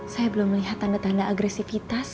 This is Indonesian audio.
saya belum melihat tanda tanda agresivitas